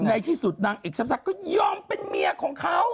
ในที่สุดนางเอกซับก็ยอมเป็นเมียของเขา